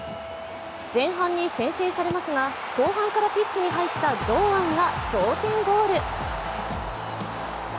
前半に先制されますが後半からピッチに入った堂安が同点ゴール。